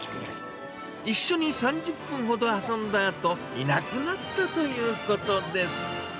一緒に３０分ほど遊んだあと、いなくなったということです。